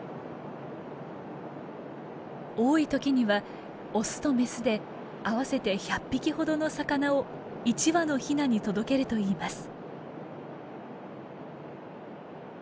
多い時にはオスとメスで合わせて１００匹ほどの魚を１羽のヒナに届けるといいます。